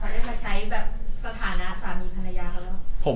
ฝากได้มาใช้สถานะสามีภรรยาครับ